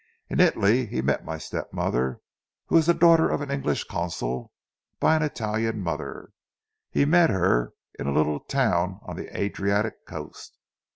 In Italy he met my step mother, who is the daughter of an English consul by an Italian mother. He met her in a little town on the Adriatic coast.